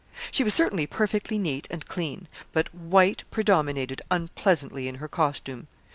She was certainly perfectly neat and clean, but white predominated unpleasantly in her costume.